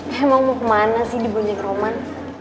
hih emang mau kemana sih diboncengin roman